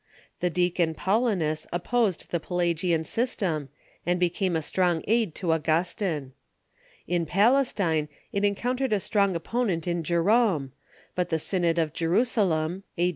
The deacon Paulinus opposed the Pela gian system, and became a strong aid to Augustine. In Pal estine it encountered a strong opponent in Jerome, but the Synod of Jerusalem (a.